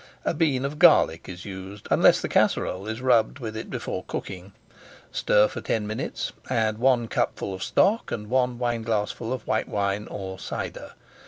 A bean of garlic is used, unless the [Page 456] casserole is rubbed with it before cooking. Stir for ten minutes, add one cupful of stock and one wineglassful of white wine or cider.